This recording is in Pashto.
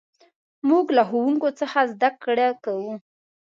موږ له ښوونکي څخه زدهکړه کوو.